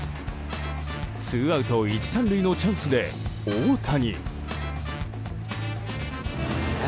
ツーアウト１、３塁のチャンスで大谷。